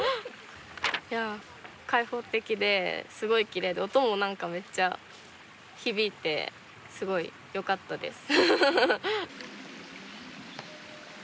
いや開放的ですごいきれいで音も何かめっちゃ響いてすごいよかったです。